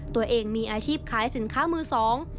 ตัวเองมีอาชีพขายสินค้ามือสอง